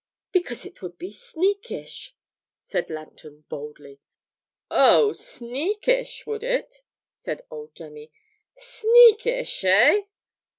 'Because it would be sneakish,' said Langton boldly. 'Oh, "sneakish," would it?' said old Jemmy. '"Sneakish," eh?